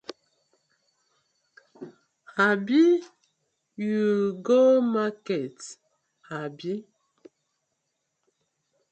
Abi you go market abi?